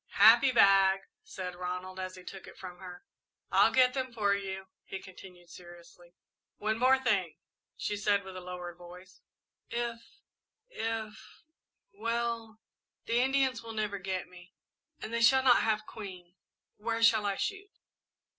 "Happy bag," said Ronald, as he took it from her. "I'll get them for you," he continued, seriously. "One thing more," she said, with lowered voice. "If if well, the Indians will never get me. And they shall not have Queen. Where shall I shoot?"